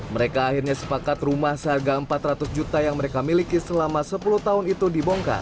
mereka akhirnya sepakat rumah seharga empat ratus juta yang mereka miliki selama sepuluh tahun itu dibongkar